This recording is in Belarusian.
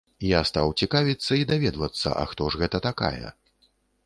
Я стаў цікавіцца і даведвацца, а хто ж гэта такая.